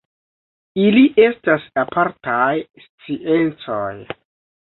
Ili estas apartaj sciencoj.